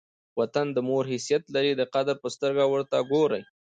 وطن د مور حیثیت لري؛ د قدر په سترګه ور ته ګورئ!